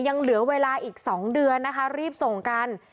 ยังเหลือเวลาอีก๒เดือนนะคะรีบส่งกัน